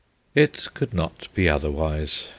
It could not be otherwise.